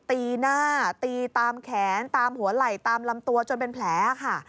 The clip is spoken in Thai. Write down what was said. ตีหน้าตีตามแขนตามหัวไหล่ตามลำตัวจนเป็นแผลค่ะ